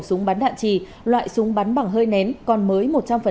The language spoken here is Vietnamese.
súng bắn đạn trì loại súng bắn bằng hơi nén còn mới một trăm linh